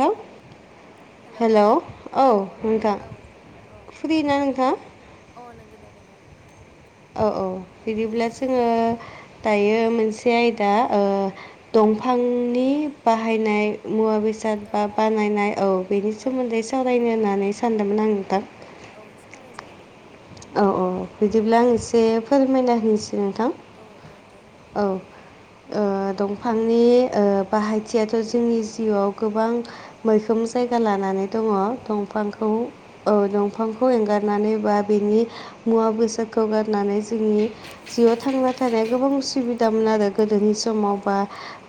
थों hello hello औ अ नोंथां औ औ फ्रि ना नोंथां अ नंगौ दे नोंगौ औ औ बिदिब्ला जोङो दायो मोनसे आयदा ओ उम उम दंफांनि बाहायनाय मुवा बेसाद साद औ बा औ बानायनाय औ बेनि औ सोमोन्दै सावरायनो होननानै सानदोंमोन आं नोंथां औ सावराय जायो दे औ औ उम बिदिब्ला उम आं एसे फोरमायना होनोसै नोंथां औ औ दे औ उम ओ दंफांनि ओ बाहायथियाथ' जोंनि जिउआव गोबां मैखोम जायगा लानानै दङ' औ दंफांखौ औ उम दंफांखौ एंगारनानै बा बेनि मुवा बेसादखौ गारनानै जोंनि जिउआव थांना थानाया गोबां उसुबिदामोन आरो गोदोनि औ समाव बा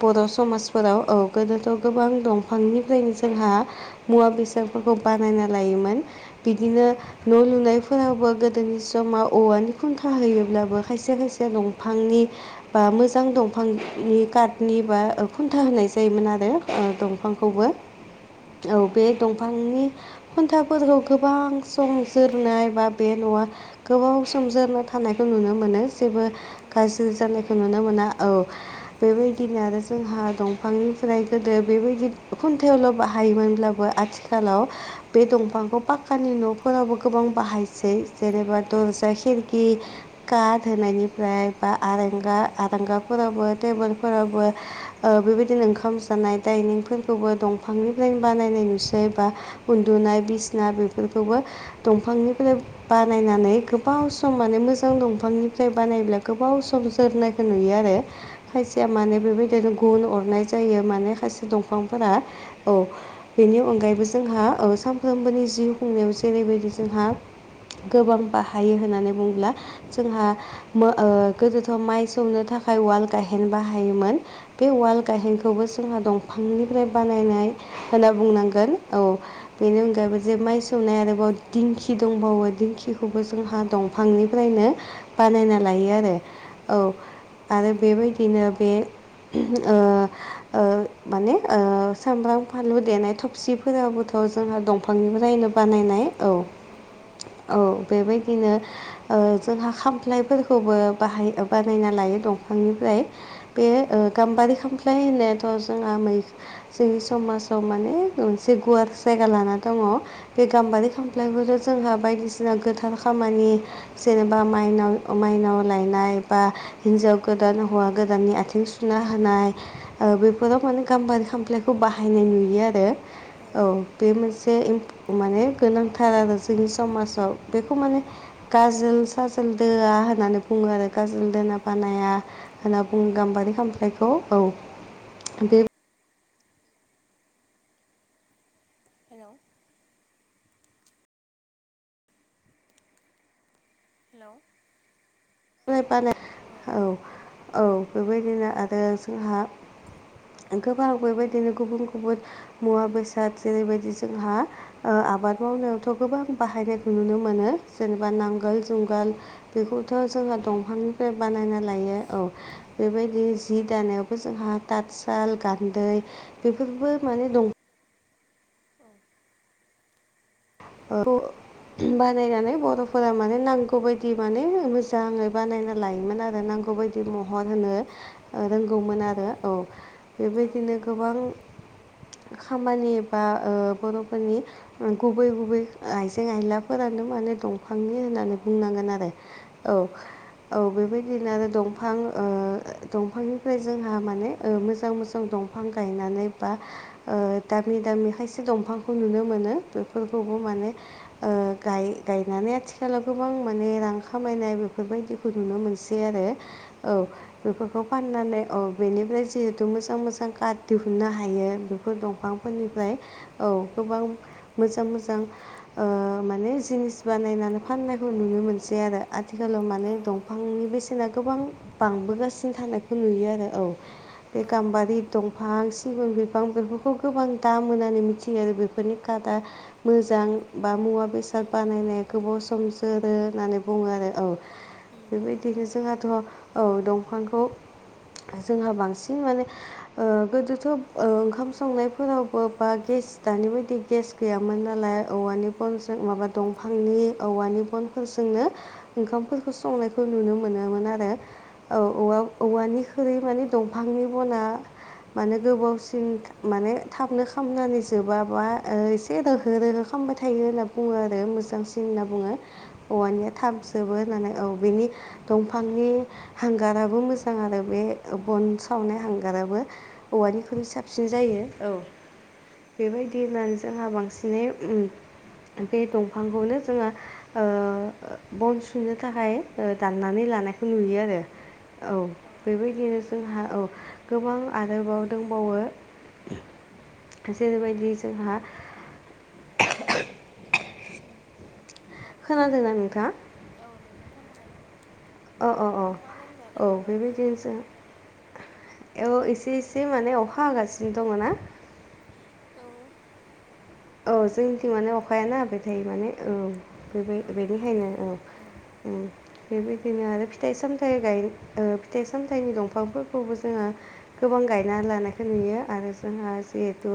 बर' समाजफोराव औ गोदोथ' गोबां उम दंफांनिफ्रायनो जोंहा मुवा बेसादफोरखौ बानायना लायोमोन बिदिनो उम उम न' लुनाय फोरावबो गोदोनि समाव औवानि खुन्था होयोब्लाबो खायसे खायसेया दंफांनि बा मोजां दंफांनि कार्टनि बा खुन्था होनाय जायोमोन आरो औ दंफांखौबो उम उम औ बे दं फांनि खुन्थाफोरखौ गोबां सम जोरनाय बा बे न'आ गोबाव सम जोरना थानायखौ नुनो मोनो जेबो अ गाजै जानायखौ नुनो मोना औ बेबायदिनो आरो जोंहा दंफांनिफ्राय गोदो बेबायदि खुन्थायावल' बाहायोमोनब्लाबो आथिखाल खालाव बे दंफांखौ पाक्कानि न'फोरावबो गोबां बाहाय सै जेनेबा दरजा खिरखि काद होनायनिफ्राय बा आरेंगा आरेंगाफोरावबो टेबोलफोरावबो ओ बेबायदिनो ओंखाम जानाय दायनिंफोरखौबो दंफांनिफ्रायनो बानायनाय नुसै बा उन्दुनाय बिसिना बे फोरखौबो दंफांनिफ्राय बानायनानै गोबाव सम माने मोजां दंफांनिफ्राय बानायब्ला गोबाव सम जोरनायखौ नुयो आरो खायसेया माने बेबायदिनो गुन अरनाय जायो माने खायसे दंफांफोरा औ बेनि अनगायैबो जोंहा औ सानफ्रोमबोनि जिउ खुंनायाव जेरैबायदि जोंहा गोबां बाहायो होननानै बुंब्ला जोंहा मोनथाय ओ गोदोथ' माइ सौनो थाखाय उवाल गायहेन बाहायोमोन बे उवाल गाहेनखौबो जोंहा दंफांनिफ्राय बानायनाय होनना औ बुंनांगोन औ बेनि अनगायैबो जे माइ सौनाय आरोबाव दिंखि दंबावो दिंखिखौबो जोंहा औ दंफांनिफ्रायनो औ बानायना उम लायो आरो औ उम आरो बेबायदिनो बे ओ ओ माने ओ उम सामब्राम फानलु देनाय थबसि फोरावबोथ' जोंहा उम दंफांनिफ्रायनो बानायनाय औ औ बेबायदिनो ओं ओ जोंहा खामफ्लायफोरखौबो बाहाय बानायना लायो दंफांनिफ्राय बे गाम्बारि खामफ्लाय होननायाथ' जोंहा मै जोंनि समाजाव माने मोनसे गुवार जायगा लाना दङ बे उम औ उम गाम्बारि खामफ्लायबो जोंहा बायदिसिना गोथार खामानि जेनेबा माइनाव माइनाव लायनाय बा उम हिन्जाव गोदान हौवा गोदाननि आथिं सुना होनाय ओ बेफोराव माने गाम्बारि खामफ्लायखौ बाहायनाय नुयो आरो ओ औ बे मोनसे माने गोनांथार आरो जोंनि समाजाव बेखौ माने उम गाजोल साजोल दोआ होननानै बुङो आरो गाजोल दोना उम बानाया होनना बुङो गाम्बारि खामफ्लायखौ औ बे हेलौ हेलौ फ्राय बानाय औ औ बेबायदिनो आरो जोंहा गोबां बेबायदिनो गुबुन गुबुन मुवा बेसाद जेरैबायदि जोंहा ओ उम आबाद मावनायावथ' गोबां बाहायनायखौ नुनो मोनो उम जेनेबा उम नांगोल जुंगाल औ बेखौथ' जोंहा दंफांनिफ्राय बानायना लायो औ बेबायदि जि दानायाव जोंहा तासाल गान्दै बेफोरबो माने दं ओ बानायनानै औ बर'फोरा माने नांगौ नांगौ बदि माने मोजाङै बानायना लायोमोन आरो नांगौबायायदि महर होनो रोंगौमोन उम आरो उम औ औ बेबायदिनो गोबां खामानि बा ओ बर'फोरनि गुबै गुब बै आइजें आइलाफोरानो माने दंफांनि होननानै बुंनांगोन आरो उम औ औ बेबायदिनो आरो दंफां ओ दंफांनिफ्राय जोंहा माने मोजां मोजां दं फां गायनानै बा दामि दामि खायसे दंफांखौ नुनो मोन बे उम खौबो माने ओ गाय गायनानै आथिखालाव गोबां माने रां खामायनाय बेफोरबायदिखौ नुनो मोनसै आरो औ उम बेफोरखौ फाननानै औ बेनिफ्राय जिहेथु मोजां मोजां कार दिहुननो हायो बेफोर दंफांफोरनिफ्राय औ गोबां उम उम मोजां मोजां मोजां ओ माने जिनिस बानायनानै फाननायखौ नुनो मोनसै आरो आथिखालाव औ माने औ दंफांनि बेसेना गोबां बांबोगासिनो थानायखौ नुयो आरो औ बे गामबारि दं बिफां सिगुन बिफां बेफोरखौ गोबां दाम होनानै मिथियो आरो बेफोरनि कादा मोजां बा मुवा उम बेसाद बानायनाया गोबाव सम जोरो होननानै बुङो आरो औ। उम बेबायदिनो जोंहाथ' औ दंफांखौ जोंहा बांसिन माने ओ गोदोथ' ओ ओंखाम संनायफोरावबो बा गेस दानि बायदि गेस गैयामोन। दोन नालाय औवानि बनजों माबा दंफांनि औवानि बनफोरजोंनो ओंखामफोरखौ संनायखौ ओ नुनो मोनोमोन आरो औ ओवा औवानिख्रुइ माने दंफांनि बना माने गोबावसिन माने थाबनो खामनानै जोबाबा ऐ ए ओ रोहो रोहो खालामबाय थायो होनना बुङो आरो मोजांसिन होनना बुङो उम औवानिया उम थाबजोबो होननानै औ बेनि दंफांनि हांगाराबो मोजां आरो बे बन सावनाय हांगाराबो औ उम औ औवानिख्रनो साबसिन जायो औ बेबायदि होनानो जोंहा बांसिन सिनि उम बे दंफांखौनो जोङो ओ बन सुनो थाखाय दाननानै लानाय नुयो आरो औ बेबायदिनो जोंहा औ गोबां आरोबाव दंबावो। जेरै बायदि जोंहा [inaudible] औ खोनादोंना नोंथां? औ नोंथां खोनादों। अ अ अ नोंथाङा लोमजादों औ नामा? बेबायदिनोसै। औ एसे इसे माने अखा हागासिनो दङ ना। औ औ जोंनिथिं माने अखायानोा हथाय माने औ बे बेनिखायनो औ। उम उम बेबायदिनो आरो फिथाइ सामथायाइ गाय फिथाइ सामथाइनि दंफांफोरखौबो जोङो गोबां गायना लानायखौ नुयो आरो जोंहा जिहेथु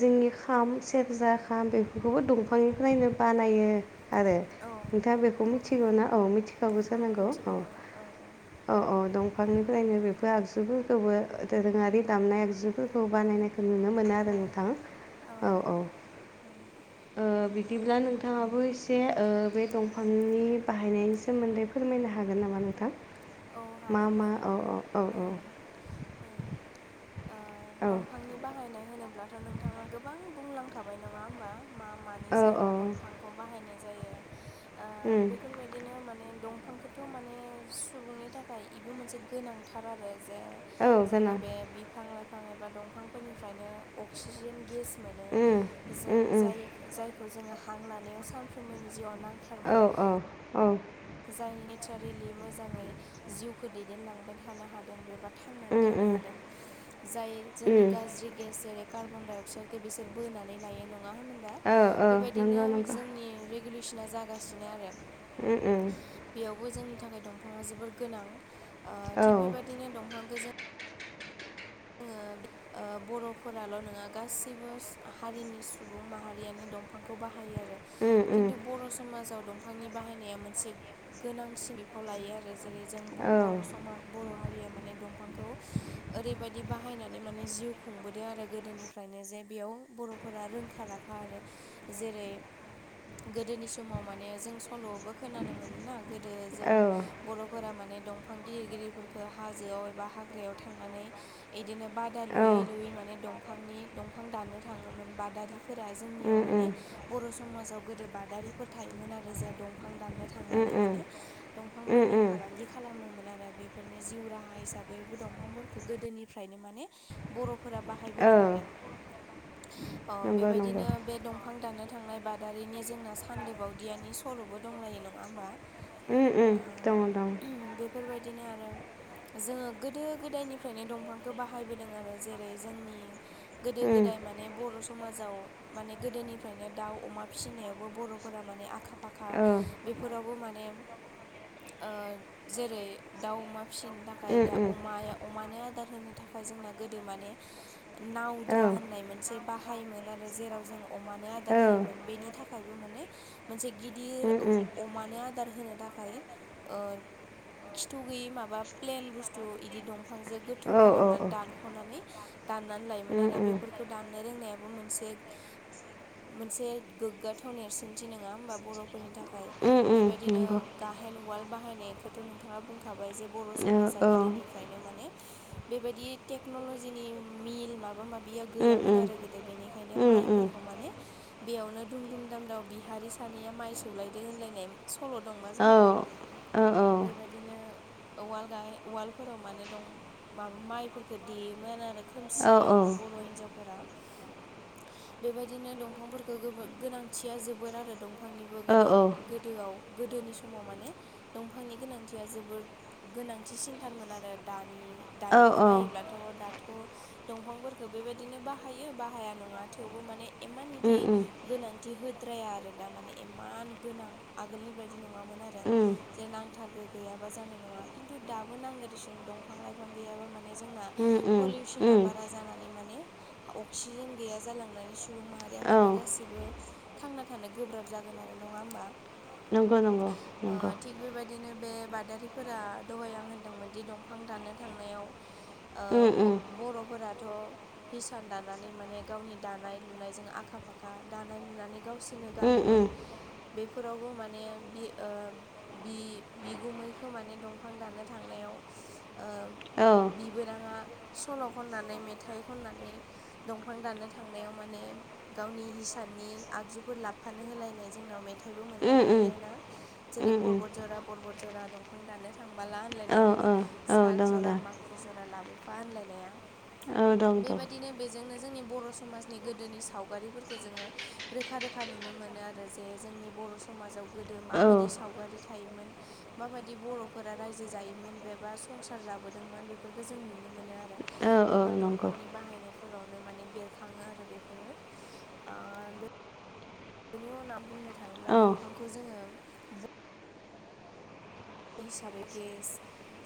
जोंनि खाम सेरजा खाम बेफोरखौबो दंफांनिफ्रायनो बानायो आरो औ नोंथाङा बेखौ उम मिथिगौ ना औ मिथिखाबौ जानांगौ औ। मिथिगौ ओं औ औ औ उम उम दंफांनिफ्रायनो बेफोर आगजुफोरखौबो दोरोङारि दामनाय आगजुफोरखौ बानायनाय नुनो मोनो औ आरो नोंथां। औ ओ बिदिब्ला नोंथाङाबो एसे ओ बे दंफांनि बाहायनायनि सोमोन्दै फोरमायनो हागोन नामा नोंथां औ मा हागोन मा औ औ औ औ। औ औ दंफांनि बाहायनाय होनोब्लाथ' नोंथाङा गोबां बुंलांखाबाय नङा होमबा मा मानो औ औ सायाव दंफांखौ बाहायनाय जायो ओ उम बेफोरबायदिनो माने दंफांखौथ' माने सुबुंनि थाखाय बेबो मोनसे गोनांथार आरो जे औ जोङो गोनां बे बिफां लाइफां एबा दंफांफोरनिफ्रायनो अक्सिजेन गेस मोनो उम जों उम उम जायखौ जोङो हां लानायाव सानफ्रोमबोनि जिउआव नां औ औ औ जाय नेचारेलि मोजाङै जिउखौ दैदेनलांबाय थानो हादों बे बा थांनानै उम थानो उम हादों जाय जोंनि उम गाज्रि गेस जेरै कार्बन डाइ अक्साइडखौ बिसोर बोनानै लायो नङा होनबा औ औ बेबायदिनो नंगौ नंगौ जोंनि रेगुलेसना जागासिनो आरो उम उम बेयावबो जोंनि थाखाय दंफाङा जोबोर गोनां ओ औ थिग बेबायदिनो दंफांखौ जों जोङो ओ बर'फोराल' नङा गासैबो हारिनि सुबुं माहारियानो दं बिफांखौ बाहायो आरो उम उम खिन्थु बर' समाजाव दंफां बिफांनि बाहायनाया मोनसे गोनांसिन बिफाव लायो आरो जेरै जों औ बर' समाज बर' हारिया माने दंफांखौ ओरैबायदि बाहायनानै माने जिउ खुंबोदों आरो गोदोनिफ्रायनो जे बेयाव बर'फोरा रोंखा राखा आरो जेरै गोदोनि समाव माने जों सल'बो खोनानो मोनोना गोदो जों औ बर'फोरा माने दंफां गिदिर गिदिरफोरखौ हाजोआव एबा हाग्रायाव थांनानै बिदिनो बादा लुयै लुयै माने दंफांनि दंफां दाननो थाङोमोन बादारि फोर उम उम जोंनियाव माने बर' समाजाव गोदो बादारिफोर थायोमोन आरो जाय दंफां दाननो उम थांनानै माने दंफांफोरनि उम फालांगि खालामोमोन आरो बेफोरनो जिउ राहा हिसाबै दंफांफोरखौ गोदोनि फ्रायनो माने बर'फोरा बाह औ बाहायबोदों आरो नंगौ नंगौ बेबायदिनो बे दं फां दानो थांनाय बादारिनि जोंना सानदोबावदियानि सल'बो दंलायो नङा होमबा उम उम ओ दङ दं बे बेफोरबायदिनो आरो जोङो गोदो गोदायनिफ्रायनो दंफां खौ बाहायबोदों आरो जेरै जोंनि गोदो उम गोदाय माने बर' समाजाव माने गोदोनिफ्रायनो दाउ अमा फिसिनायावबो बर'फोरा माने आखा फाखा औ बेफोरावबो माने ओ जेरै दाउ अमा फिसिनो थाखाय ओमफ्राय उम दा उम अमाया अमानो आदार होनो थाखाय जोंना गोदो माने औ नावद्रा होननाय मोनसे बाहायोमोन आरो जेराव जों अमानो आदार औ होयोमोन बेनि थाखाय थाखायबो माने मोनसे गिदिर उम उम अमानो आदार होनो थाखाय ओ खिथु गैयि माबा प्लेन बुस्थु बिदि दंफांजों गोथौ औ खालामनानै औ दान ख'नानै दाननानै लायोमोन उम आरो उम बेफोरखौ दाननो रोंनायाबो मोनसे मोनसे गोग्गाथाव नेरसोनथि नङा होमबा बर'फोरनि थाखाय उम उम बेबायदिनो नंगौ गाहाम हेन्द उवाल बाहायनायखौथ' नोंथाङा बुंखाबाय जे बर' समाजा औ औ गोदोनिफ्रायनो माने बेबायदि टेक्न'ल'जिनि मिल माबा माबिया उम गैयामोन उम आरो गोदो बेनिखायनो खायनो उम उम माइफोरखौ माने बेयावनो दुम दुम दामदाव बिहारि सानैया माइ सौलायदो होनलायनाय सल' दंना औ जोंनाव औ ओम बेबायदि बिदिनो उवाल गाय उवालफोराव माने दं माबा माइफोरफोरखौ देयोमोन आरो औ औ उम उम खोमसियावनो बर' हिन्जावफोरा बेबायदिनो दंफांफोरखौ गोनांथिया जोबोर आरो दंफांनिबो गोदो गोदोआव गोदोनि समाव माने दंफांनि गोनांथिया जोबोद गोनांथिसिनथारमोन आरो दानि दानिखौ नायोब्ला थ' दाथ' दंफांफोरखौ बेबायदिनो बाहायो बाहाया नङा थेवबो माने इमान इदि उम गोनांथि होद्राया आरो दा माने इमान गोनां आगोलनि बायदि नङामोन आरो जे नांथारगो गैयाबा जानाय नङा खिन्थु दाबो नांगो दिसिन दंफां लाइफां फां गैयाबा माने जोंना उम उम पलिउसना उम औ बारा जानानै माने अक्सिजेन गैया जालांनानै सुबुं माहारिया माने गासिबो थांना थानो गोब्राब जागोन आरो नङा होमबा नंगौ नंगौ ओ नंगौ। थिग बेबायदिनो बे बादारिफोरा दहाय आं होनदोंमोनदि दंफां दाननो थांनायाव ओ उम ब उम बर'फोराथ' हिसान दानानै माने गावनि दानाय लुनायजों आखा फाखा दानाय लुनानै गावसोरनो उम उम गानोमोन बेफोरावबो माने बि ओ बि बिगुमैखौ माने दंफां दानो थांनायाव ओ औ बिबोनाङा सल' खननानै मेथाइ खननानै दंफां दाननो थांनायाव माने गावनि हिसाननि आगजुफोर लाबफानो होलायनाय जोंनाव मे थायबो मोननो उम हायोना उम जेरै उम उम परबत जरा फरबत जरा दंफां दाननो थांबोला औ होनलायनाय औ औ साल दङ जरा दा माखु जरा लाबोफा होनलायनाया औ दं दं बेबायदिनो बेजोंनो जोंनि बर समाजनि गोदोनि सावगारिफोरखौ जोङो रोखा रोखा नुनो मोनो आरो आरो जे जोंनि बर समाजाव गोदो औ माबायदि सावगारि थायोमोन माबायदि बर फोरा रायजो जायोमोन बेबा संसार जाबोदोंमोन बेफोरखो जों नुनो मोनो आरो औ औ बेफोर नंगौ दंफांनि बाहायनाय फोरावनो माने बेरखाङो आरो बेफोरो आ बेनि उनाव बुंनो थाङोब्ला औ दंफांखौ जोङो बे हिसाबै गेस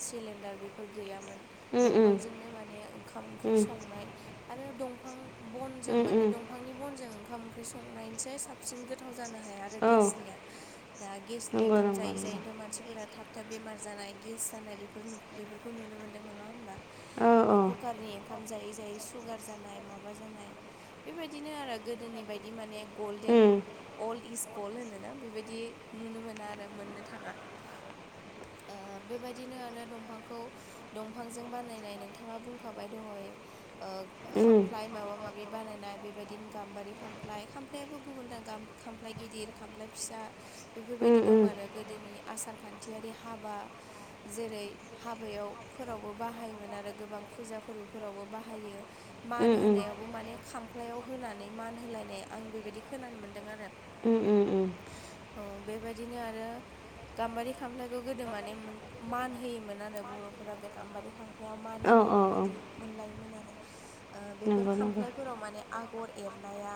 सिलिन्डार बेफोर गैयामोन उम उम दंफांजोंनो माने ओंखाम ओंख्रि उम संनाय आरो दंफां बनजों उम माने उम द फांनि बनजों ओंखाम ओंख्रि संनायनिसै साबसिन गोथाव जानो हाया आरो औ गेसनिया दा गेसनि नंगौ नंगौ ओंखाम जायै जायैनोथ' मानसिफोरा थाब थाब बेमार जानाय गेस जानाय बेफोर बेफोरखौ नुनो मोन्दों नङा होमबा औ बे औ कुकारनि ओंखाम जायै जायै सुगार जानाय माबा जानाय बेबायदिनो आरो गोदोनि बायदि माने गल्डेन उम अल्ड इज गल्ड होनोना बेबायदि नुनो मोना आरो मोननो थाङा। ओ बेबायदिनो आरो दंफांखौ दंफांजों बानायनाय नोंथाङा बुंखाबाय दहाय ओ उम खामफ्लाय माबा माबि बानायनाय बे बेबायदिनो गाम्बारि खामफ्लाय खामफ्लायाबो गुबुनां खामफ्लाय गिदिर खामफ्लाय फिसा बेफोरबायदि उम उम दं आरो गोदोनि आसार खान्थियारि हाबा जेरै हाबायाव फोरावबो बाहायोमोन आरो गोबां फुजा फोर्बो फोरावबो बाहायो। मान उम होनायावबो माने खामफ्लायाव होनानै मान होलायनाय आं बेबायदि खोनानो मोनदों आरो। उम उम। उम औ बेबायदिनो आरो गाम्बारि खामफ्लायखौ गोदो माने मोन मान होयोमोन आरो बर फोरा बे खाम्बारि खाम्लायाव मान औ होनाय औ औ बेबायदि मोनलायोमोन आरो बेफोर नंगौ नंगौ खामफ्लायफोराव माने आगर एरनाया